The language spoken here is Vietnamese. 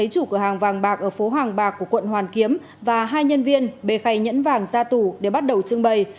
chủ cửa hàng vàng bạc ở phố hoàng bạc của quận hoàn kiếm và hai nhân viên bê khay nhẫn vàng ra tủ để bắt đầu trưng bày